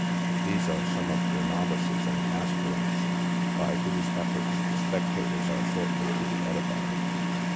These are some of the novices and aspirants, by whose efforts the spectators are shortly to be edified.